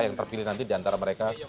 yang terpilih nanti di antara mereka